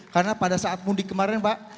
karena pada saat mundik kemarin pak